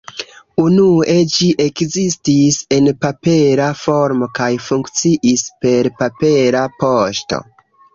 Unue ĝi ekzistis en papera formo kaj funkciis per papera poŝto.